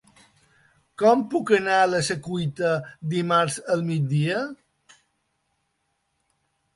Com puc anar a la Secuita dimarts al migdia?